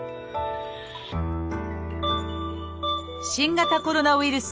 新型コロナウイルス